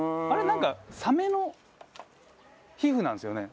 なんかサメの皮膚なんですよね。